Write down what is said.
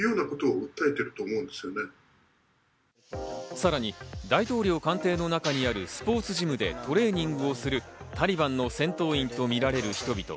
さらに大統領官邸の中にあるスポーツジムでトレーニングをするタリバンの戦闘員とみられる人々。